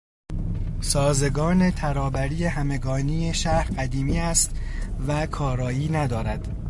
سازگان ترابری همگانی شهر قدیمی است و کارایی ندارد.